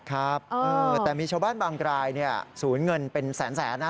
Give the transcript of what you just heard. ครับแต่มีชาวบ้านบางรายศูนย์เงินเป็นแสนนะ